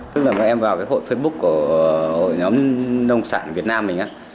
tức là bọn em vào cái hội facebook của hội nhóm nông sản việt nam mình á